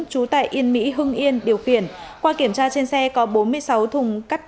chú tại yên mỹ hưng yên điều khiển